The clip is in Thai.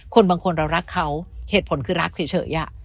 คนบางคนเรารักเขาเหตุผลคือรักเฉย